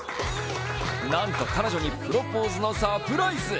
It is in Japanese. なんと彼女にプロポーズのサプライズ。